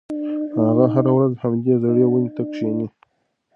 هغه هره ورځ همدې زړې ونې ته کښېني.